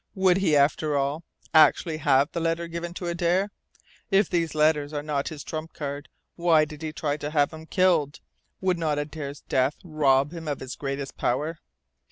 Would he, after all, actually have the letter given to Adare? If these letters are his trump cards, why did he try to have him killed? Would not Adare's death rob him of his greatest power?"